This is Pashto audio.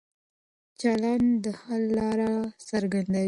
چلن د حل لاره څرګندوي.